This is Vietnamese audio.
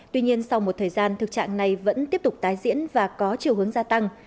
tuy nhiên sau một thời gian thực trạng này vẫn tiếp tục tái diễn và có chiều hướng gia tăng